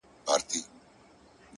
• جادوګر ویل زما سر ته دي امان وي,